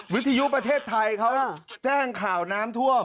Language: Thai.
วิทยุประเทศไทยเขาแจ้งข่าวน้ำท่วม